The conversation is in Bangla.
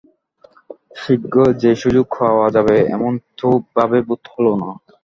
শীঘ্র যে সুযোগ পাওয়া যাবে এমন তো ভাবে বোধ হল না।